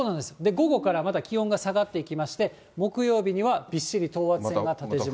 午後からまた気温が下がっていきまして、木曜日にはびっしり等圧線が縦じま。